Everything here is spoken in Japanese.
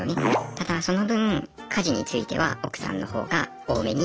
ただその分家事については奥さんの方が多めに。